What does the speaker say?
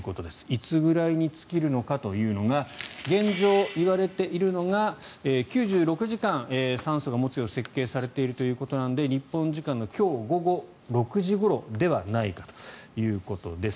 いつぐらいに尽きるのかというのが現状、いわれているのが９６時間、酸素が持つように設計されているということなので日本時間の今日午後６時ごろではないかということです。